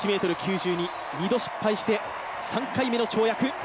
１ｍ９２、２度失敗して３回目の跳躍。